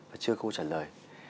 và chưa có trả lời